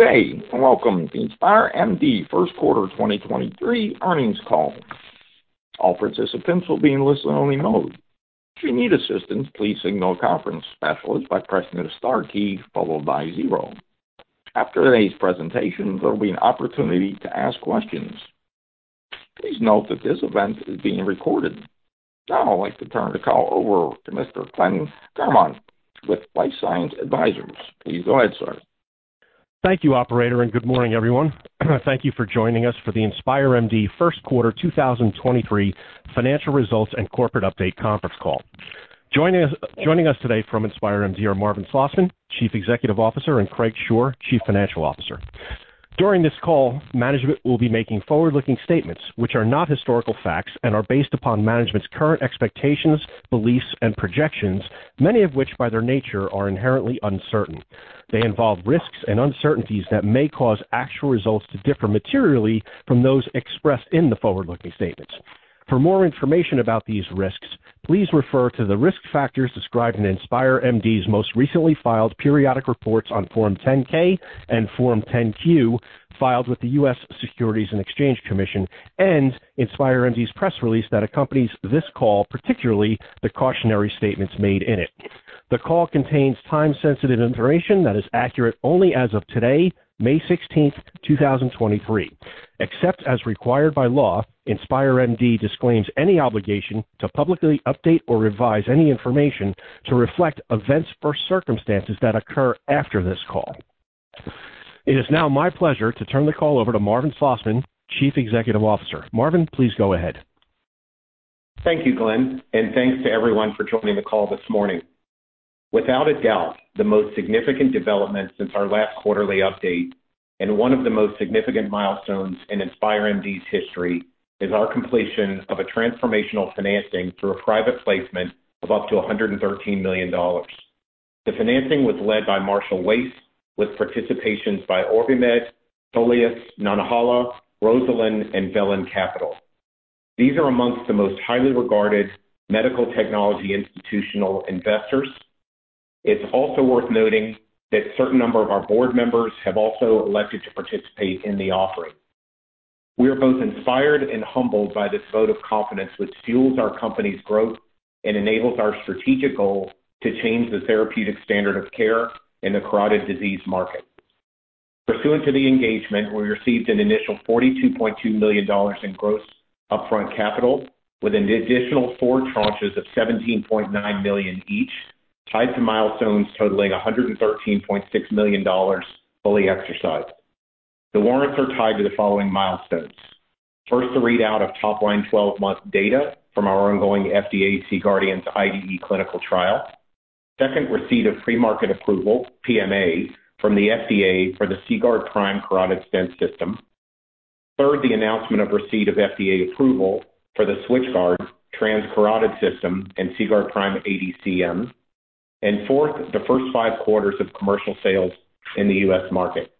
Today, welcome to InspireMD First Quarter 2023 earnings call. All participants will be in listen-only mode. If you need assistance, please signal a conference specialist by pressing the star key followed by zero. After today's presentation, there will be an opportunity to ask questions. Please note that this event is being recorded. Now I'd like to turn the call over to Mr. Glenn Garmont with LifeSci Advisors. Please go ahead, sir. Thank you, operator, good morning, everyone. Thank you for joining us for the InspireMD First Quarter 2023 financial results and corporate update conference call. Joining us today from InspireMD are Marvin Slosman, Chief Executive Officer, and Craig Shore, Chief Financial Officer. During this call, management will be making forward-looking statements, which are not historical facts and are based upon management's current expectations, beliefs, and projections, many of which, by their nature, are inherently uncertain. They involve risks and uncertainties that may cause actual results to differ materially from those expressed in the forward-looking statements. For more information about these risks, please refer to the risk factors described in InspireMD's most recently filed periodic reports on Form 10-K and Form 10-Q, filed with the U.S. Securities and Exchange Commission, and InspireMD's press release that accompanies this call, particularly the cautionary statements made in it. The call contains time-sensitive information that is accurate only as of today, May 16th, 2023. Except as required by law, InspireMD disclaims any obligation to publicly update or revise any information to reflect events or circumstances that occur after this call. It is now my pleasure to turn the call over to Marvin Slosman, Chief Executive Officer. Marvin, please go ahead. Thank you, Glenn. Thanks to everyone for joining the call this morning. Without a doubt, the most significant development since our last quarterly update and one of the most significant milestones in InspireMD's history is our completion of a transformational financing through a private placement of up to $113 million. The financing was led by Marshall Wace with participations by OrbiMed, Soleus, Nantahala, Rosalind, and Velan Capital. These are amongst the most highly regarded medical technology institutional investors. It's also worth noting that a certain number of our board members have also elected to participate in the offering. We are both inspired and humbled by this vote of confidence which fuels our company's growth and enables our strategic goal to change the therapeutic standard of care in the carotid disease market. Pursuant to the engagement, we received an initial $42.2 million in gross upfront capital, with an additional four tranches of $17.9 million each tied to milestones totaling $113.6 million fully exercised. The warrants are tied to the following milestones. First, the readout of top-line 12-month data from our ongoing FDA C-GUARDIANS IDE clinical trial. Second, receipt of pre-market approval, PMA, from the FDA for the CGuard® Prime carotid stent system. Third, the announcement of receipt of FDA approval for the SwitchGuard transcarotid system and CGuard® Prime 80 cm. Fourth, the first five quarters of commercial sales in the U.S. market.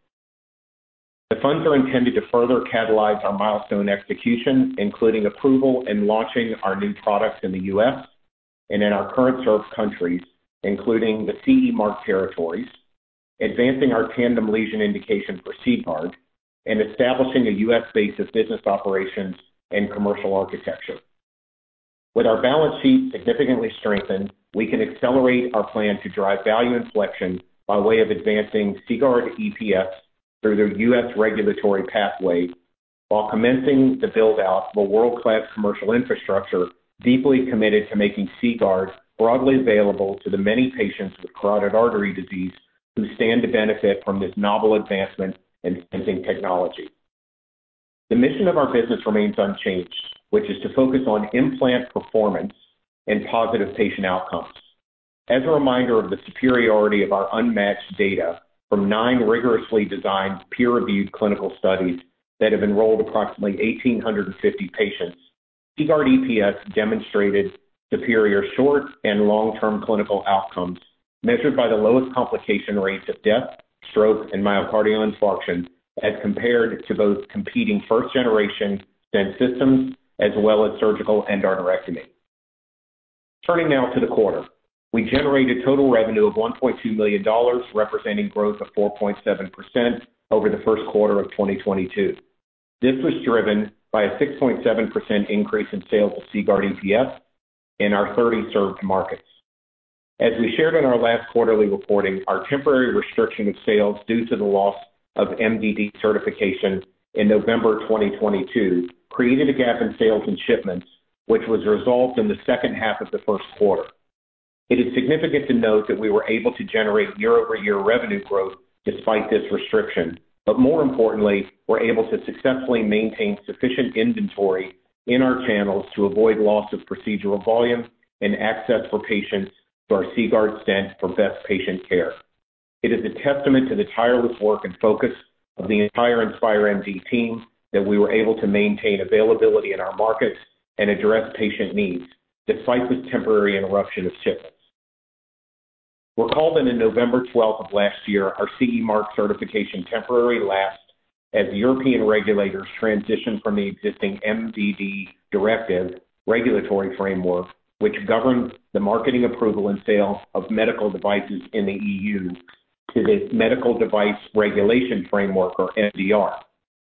The funds are intended to further catalyze our milestone execution, including approval and launching our new products in the U.S. and in our current served countries, including the CE mark territories, advancing our tandem lesion indication for CGuard, and establishing a U.S.-based business operations and commercial architecture. With our balance sheet significantly strengthened, we can accelerate our plan to drive value inflection by way of CGuard® EPS through the U.S. regulatory pathway while commencing the build-out of a world-class commercial infrastructure deeply committed to making CGuard broadly available to the many patients with carotid artery disease who stand to benefit from this novel advancement in sensing technology. The mission of our business remains unchanged, which is to focus on implant performance and positive patient outcomes. As a reminder of the superiority of our unmatched data from nine rigorously designed peer-reviewed clinical studies that have enrolled approximately 1,850 CGuard® EPS demonstrated superior short and long-term clinical outcomes measured by the lowest complication rates of death, stroke, and myocardial infarctions as compared to both competing first generation stent systems as well as surgical endarterectomy. Turning now to the quarter. We generated total revenue of $1.2 million, representing growth of 4.7% over the first quarter of 2022. This was driven by a 6.7% increase in sales CGuard® EPS in our 30 served markets. As we shared in our last quarterly reporting, our temporary restriction of sales due to the loss of MDD certification in November 2022 created a gap in sales and shipments, which was resolved in the second half of the first quarter. It is significant to note that we were able to generate year-over-year revenue growth despite this restriction. More importantly, we're able to successfully maintain sufficient inventory in our channels to avoid loss of procedural volume and access for patients to our CGuard stent for best patient care. It is a testament to the tireless work and focus of the entire InspireMD team that we were able to maintain availability in our markets and address patient needs despite this temporary interruption of shipments. Recalled in November 12th of last year, our CE mark certification temporarily lapsed. As European regulators transition from the existing MDD directive regulatory framework, which governs the marketing approval and sale of medical devices in the EU to this Medical Device Regulation framework or MDR.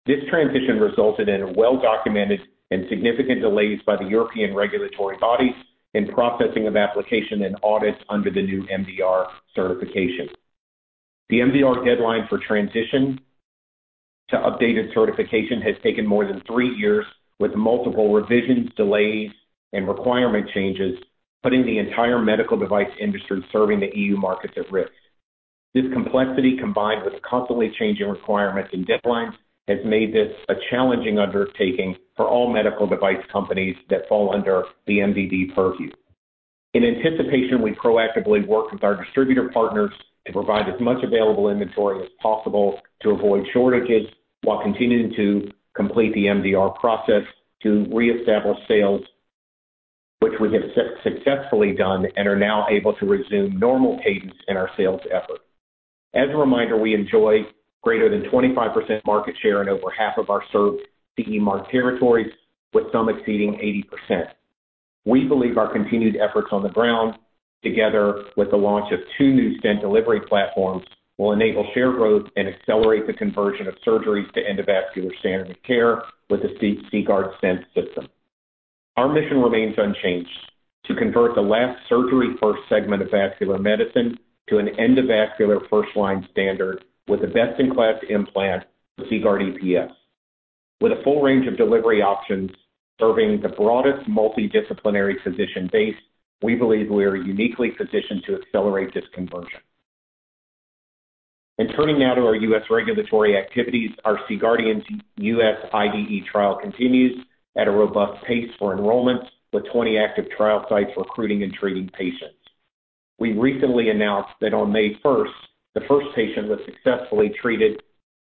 This transition resulted in well-documented and significant delays by the European regulatory bodies in processing of application and audits under the new MDR certification. The MDR deadline for transition to updated certification has taken more than three years, with multiple revisions, delays, and requirement changes, putting the entire medical device industry serving the EU markets at risk. This complexity, combined with constantly changing requirements and deadlines, has made this a challenging undertaking for all medical device companies that fall under the MDD purview. In anticipation, we proactively work with our distributor partners to provide as much available inventory as possible to avoid shortages while continuing to complete the MDR process to reestablish sales, which we have successfully done and are now able to resume normal cadence in our sales effort. As a reminder, we enjoy greater than 25% market share in over half of our served CE marked territories, with some exceeding 80%. We believe our continued efforts on the ground, together with the launch of two new stent delivery platforms, will enable share growth and accelerate the conversion of surgeries to endovascular standard of care with the CGuard stent system. Our mission remains unchanged to convert the last surgery first segment of vascular medicine to an endovascular first line standard with a best-in-class implant, the CGuard® EPS. With a full range of delivery options serving the broadest multidisciplinary physician base, we believe we are uniquely positioned to accelerate this conversion. Turning now to our U.S. regulatory activities, our C-GUARDIANS U.S. IDE trial continues at a robust pace for enrollment, with 20 active trial sites recruiting and treating patients. We recently announced that on May 1st, the first patient was successfully treated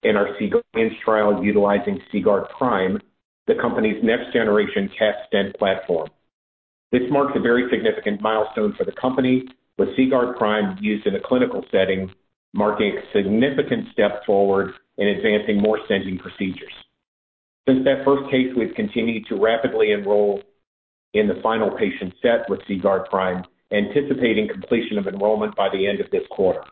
in our C-GUARDIANS trial utilizing CGuard® Prime, the company's next generation CAT stent platform. This marks a very significant milestone for the company, with CGuard® Prime used in a clinical setting, marking a significant step forward in advancing more stenting procedures. Since that first case, we've continued to rapidly enroll in the final patient set with CGuard® Prime, anticipating completion of enrollment by the end of this quarter.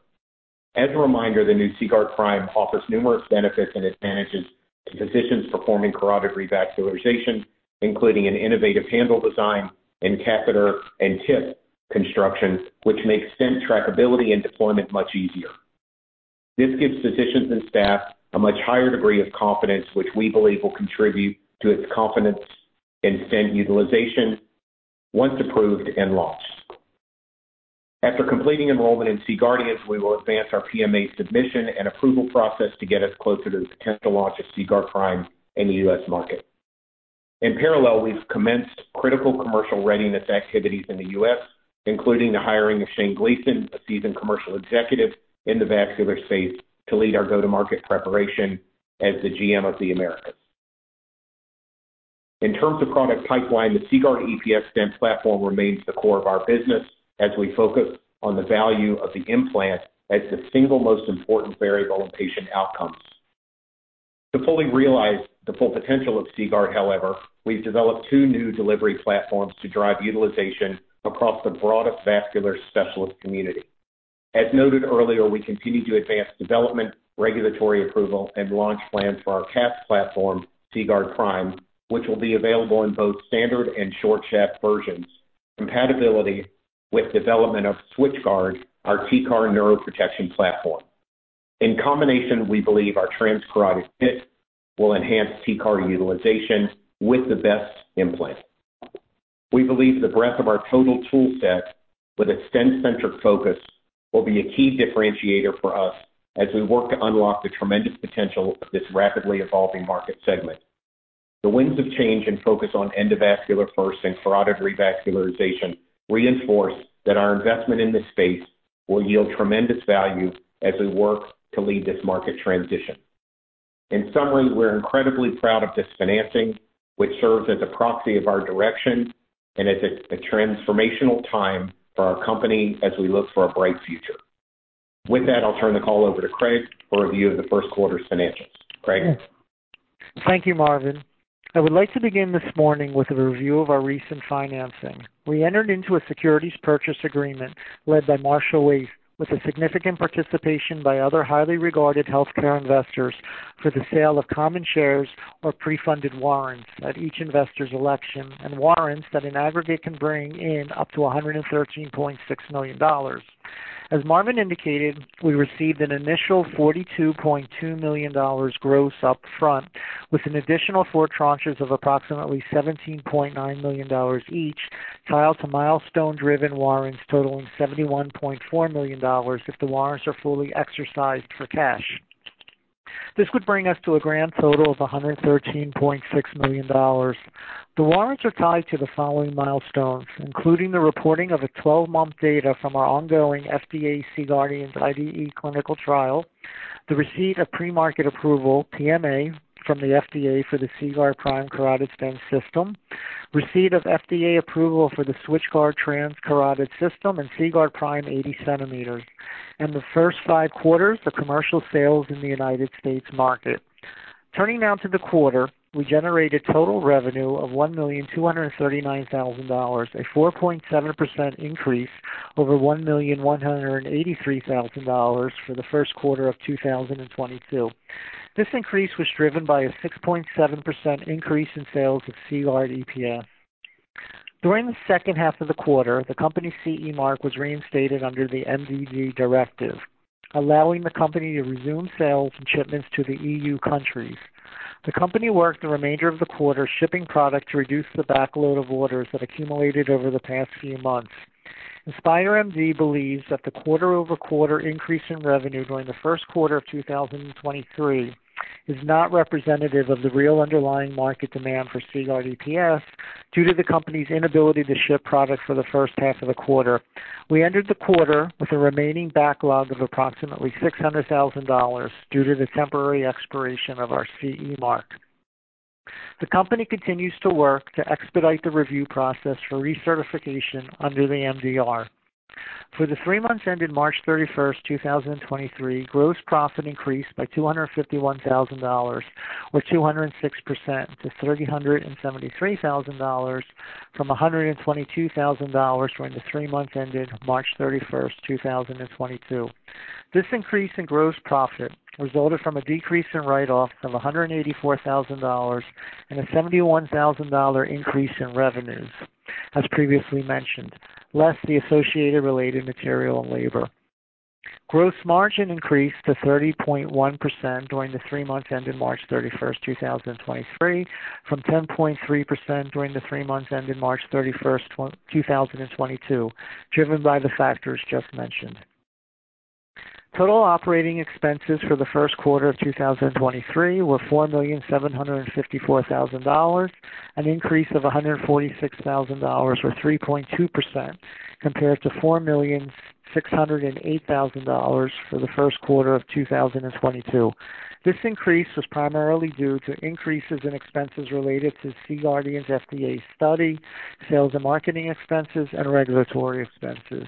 As a reminder, the new CGuard® Prime offers numerous benefits and advantages to physicians performing carotid revascularization, including an innovative handle design and catheter and tip construction, which makes stent trackability and deployment much easier. This gives physicians and staff a much higher degree of confidence, which we believe will contribute to its confidence in stent utilization once approved and launched. After completing enrollment in C-GUARDIANS, we will advance our PMA submission and approval process to get us closer to the potential launch of CGuard® Prime in the U.S. market. In parallel, we've commenced critical commercial readiness activities in the U.S., including the hiring of Shane Gleason, a seasoned commercial executive in the vascular space, to lead our go-to-market preparation as the GM of the Americas. In terms of product pipeline, CGuard® EPS stent platform remains the core of our business as we focus on the value of the implant as the single most important variable in patient outcomes. To fully realize the full potential of CGuard, however, we've developed two new delivery platforms to drive utilization across the broader vascular specialist community. As noted earlier, we continue to advance development, regulatory approval and launch plans for our CAS platform, CGuard® Prime, which will be available in both standard and short shaft versions. Compatibility with development of SwitchGuard, our TCAR neuroprotection platform. In combination, we believe our transcarotid fit will enhance TCAR utilization with the best implant. We believe the breadth of our total tool set with a stent-centric focus will be a key differentiator for us as we work to unlock the tremendous potential of this rapidly evolving market segment. The winds of change and focus on endovascular first and carotid revascularization reinforce that our investment in this space will yield tremendous value as we work to lead this market transition. In summary, we're incredibly proud of this financing, which serves as a proxy of our direction and is a transformational time for our company as we look for a bright future. With that, I'll turn the call over to Craig for a review of the first quarter's financials. Craig? Thank you, Marvin. I would like to begin this morning with a review of our recent financing. We entered into a securities purchase agreement led by Marshall Wace with a significant participation by other highly regarded healthcare investors for the sale of common shares or pre-funded warrants at each investor's election, and warrants that in aggregate can bring in up to $113.6 million. As Marvin indicated, we received an initial $42.2 million gross up front, with an additional four tranches of approximately $17.9 million each tied to milestone-driven warrants totaling $71.4 million if the warrants are fully exercised for cash. This would bring us to a grand total of $113.6 million. The warrants are tied to the following milestones, including the reporting of a 12-month data from our ongoing FDA C-GUARDIANS IDE clinical trial, the receipt of pre-market approval, PMA, from the FDA for the CGuard® Prime carotid stent system. Receipt of FDA approval for the SwitchGuard transcarotid system and CGuard® Prime 80 cm. The first 5 quarters of commercial sales in the U.S. market. Turning now to the quarter, we generated total revenue of $1,239,000, a 4.7% increase over $1,183,000 for the first quarter of 2022. This increase was driven by a 6.7% increase in sales of CGuard® EPS. During the second half of the quarter, the company's CE mark was reinstated under the MDD directive, allowing the company to resume sales and shipments to the EU countries. The company worked the remainder of the quarter shipping product to reduce the backload of orders that accumulated over the past few months. InspireMD, Inc. believes that the quarter-over-quarter increase in revenue during the first quarter of 2023 is not representative of the real underlying market demand CGuard® EPS due to the company's inability to ship product for the first half of the quarter. We entered the quarter with a remaining backlog of approximately $600,000 due to the temporary expiration of our CE mark. The company continues to work to expedite the review process for recertification under the MDR. For the three months ending March 31st, 2023, gross profit increased by $251,000, or 206% to $3,073,000 from $122,000 during the three months ending March 31st, 2022. This increase in gross profit resulted from a decrease in write-off of $184,000 and a $71,000 increase in revenues, as previously mentioned, less the associated related material and labor. Gross margin increased to 30.1% during the three months ending March 31st, 2023, from 10.3% during the three months ending March 31st, 2022, driven by the factors just mentioned. Total operating expenses for the first quarter of 2023 were $4,754,000, an increase of $146,000 or 3.2% compared to $4,608,000 for the first quarter of 2022. This increase was primarily due to increases in expenses related to C-GUARDIANS FDA study, sales and marketing expenses, and regulatory expenses.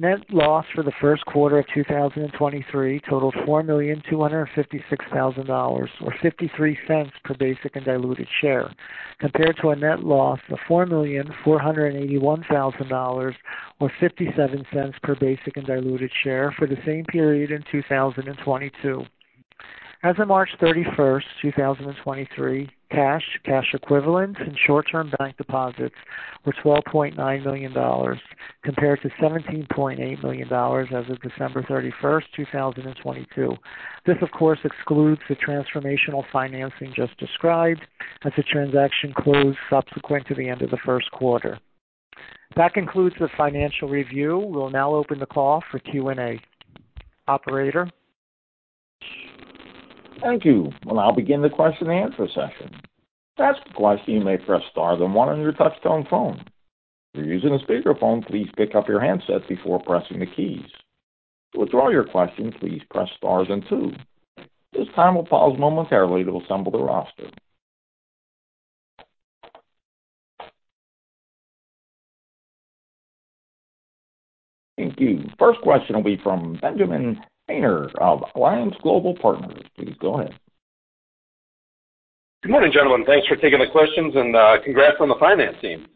Net loss for the first quarter of 2023 totaled $4,256,000 or $0.53 per basic and diluted share, compared to a net loss of $4,481,000 or $0.57 per basic and diluted share for the same period in 2022. As of March 31st, 2023, cash equivalents, and short-term bank deposits were $12.9 million compared to $17.8 million as of December 31, 2022. This, of course, excludes the transformational financing just described as the transaction closed subsequent to the end of the first quarter. That concludes the financial review. We'll now open the call for Q&A. Operator? Thank you. We'll now begin the question and answer session. To ask a question, you may press star then one on your touchtone phone. If you're using a speakerphone, please pick up your handset before pressing the keys. To withdraw your question, please press star then two. At this time, we'll pause momentarily to assemble the roster. Thank you. First question will be from Benjamin Tanner of Alliance Global Partners. Please go ahead. Good morning, gentlemen. Thanks for taking the questions and, congrats on the financing.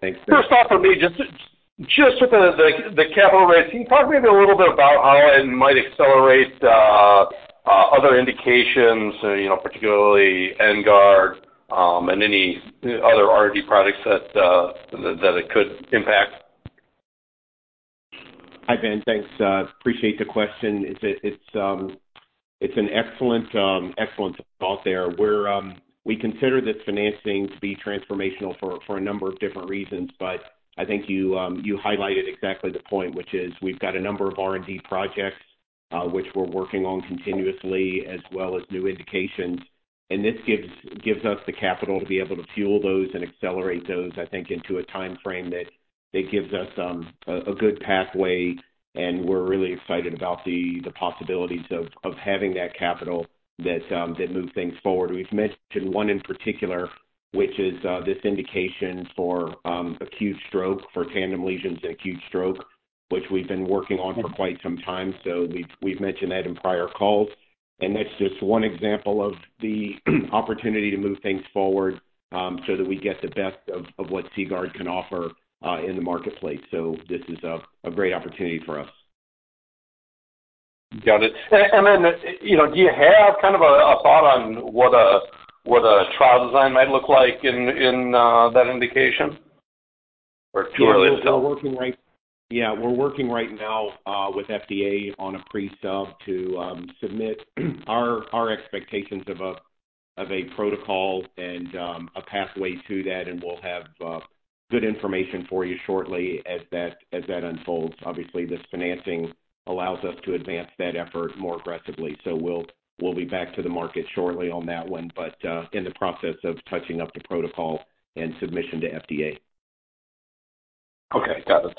Thanks. First off for me, just with the capital raise, can you talk maybe a little bit about how it might accelerate other indications, you know, particularly N-Guard, and any other R&D products that it could impact? Hi, Ben. Thanks. Appreciate the question. It's an excellent thought there. We consider this financing to be transformational for a number of different reasons, but I think you highlighted exactly the point, which is we've got a number of R&D projects, which we're working on continuously, as well as new indications. This gives us the capital to be able to fuel those and accelerate those, I think, into a timeframe that gives us a good pathway, and we're really excited about the possibilities of having that capital that move things forward. We've mentioned one in particular, which is this indication for acute stroke, for tandem lesions and acute stroke, which we've been working on for quite some time. We've mentioned that in prior calls. That's just one example of the opportunity to move things forward, so that we get the best of what CGuard can offer in the marketplace. This is a great opportunity for us. Got it. You know, do you have kind of a thought on what a trial design might look like in that indication? Clearly still. Yeah, we're working right now with FDA on a Pre-Sub to submit our expectations of a protocol and a pathway to that, and we'll have good information for you shortly as that unfolds. Obviously, this financing allows us to advance that effort more aggressively. We'll be back to the market shortly on that one, but in the process of touching up the protocol and submission to FDA. Okay, got it.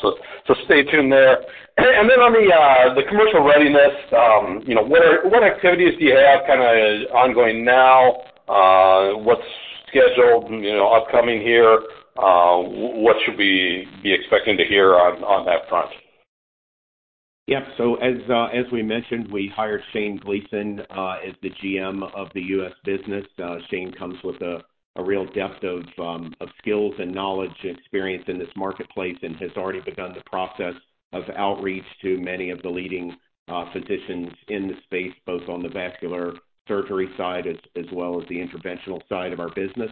Stay tuned there. Then on the commercial readiness, you know, what activities do you have kinda ongoing now? What's scheduled, you know, upcoming here? What should we be expecting to hear on that front? Yeah. As we mentioned, we hired Shane Gleason as the GM of the U.S. business. Shane comes with a real depth of skills and knowledge and experience in this marketplace and has already begun the process of outreach to many of the leading physicians in the space, both on the vascular surgery side as well as the interventional side of our business.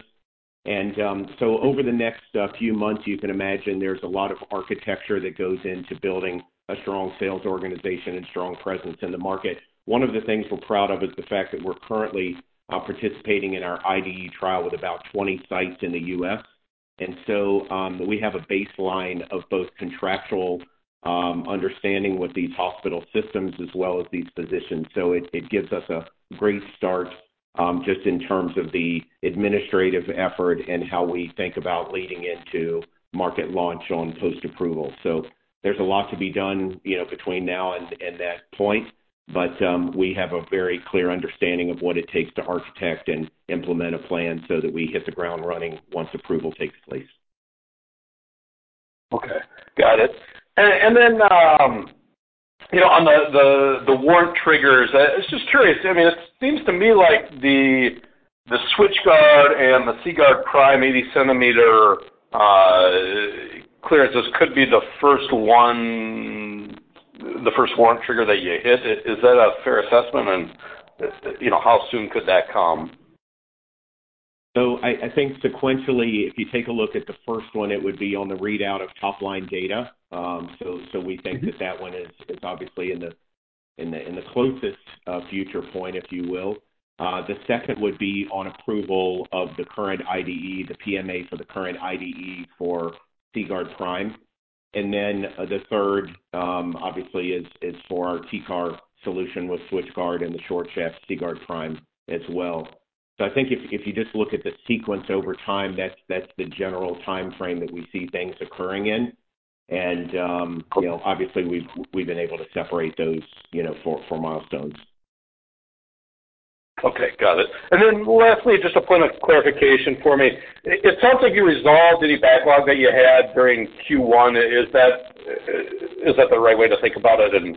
Over the next few months, you can imagine there's a lot of architecture that goes into building a strong sales organization and strong presence in the market. One of the things we're proud of is the fact that we're currently participating in our IDE trial with about 20 sites in the U.S. We have a baseline of both contractual understanding with these hospital systems as well as these physicians. It gives us a great start, just in terms of the administrative effort and how we think about leading into market launch on post-approval. There's a lot to be done, you know, between now and that point. We have a very clear understanding of what it takes to architect and implement a plan so that we hit the ground running once approval takes place. Okay, got it. Then, you know, on the, the warrant triggers, it's just curious. I mean, it seems to me like the SwitchGuard and the CGuard® Prime 80 cm clearances could be the first warrant trigger that you hit. Is that a fair assessment? You know, how soon could that come? I think sequentially, if you take a look at the first one, it would be on the readout of top-line data. We think that that one is obviously in the closest future point, if you will. The second would be on approval of the current IDE, the PMA for the current IDE for CGuard® Prime.The third obviously is for our TCAR solution with SwitchGuard and the short shaft CGuard® Prime as well. I think if you just look at the sequence over time, that's the general timeframe that we see things occurring in. You know, obviously we've been able to separate those, you know, for milestones. Okay, got it. Lastly, just a point of clarification for me. It sounds like you resolved any backlog that you had during Q1. Is that the right way to think about it and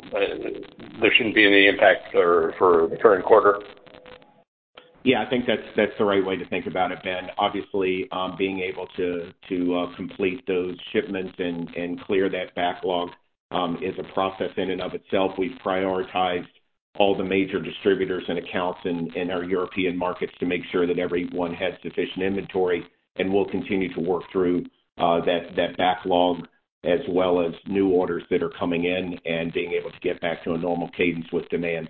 there shouldn't be any impact for the current quarter? Yeah, I think that's the right way to think about it, Ben. Obviously, being able to complete those shipments and clear that backlog is a process in and of itself. We've prioritized all the major distributors and accounts in our European markets to make sure that everyone has sufficient inventory, and we'll continue to work through that backlog as well as new orders that are coming in and being able to get back to a normal cadence with demand.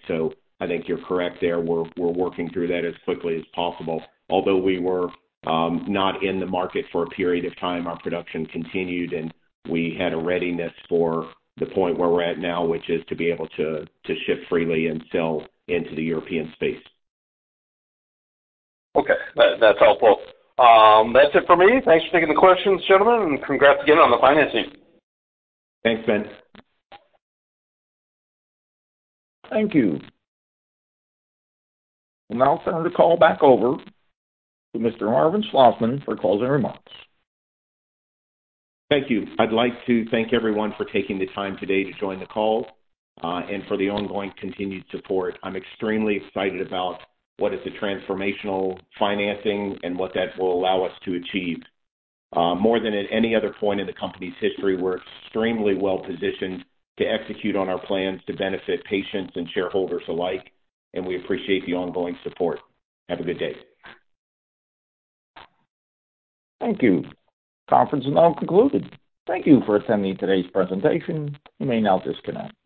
I think you're correct there. We're working through that as quickly as possible. Although we were not in the market for a period of time, our production continued, and we had a readiness for the point where we're at now, which is to be able to ship freely and sell into the European space. Okay, that's helpful. That's it for me. Thanks for taking the questions, gentlemen. Congrats again on the financing. Thanks, Ben. Thank you. We'll now turn the call back over to Mr. Marvin Slosman for closing remarks. Thank you. I'd like to thank everyone for taking the time today to join the call, and for the ongoing continued support. I'm extremely excited about what is a transformational financing and what that will allow us to achieve. More than at any other point in the company's history, we're extremely well-positioned to execute on our plans to benefit patients and shareholders alike, and we appreciate the ongoing support. Have a good day. Thank you. Conference is now concluded. Thank you for attending today's presentation. You may now disconnect.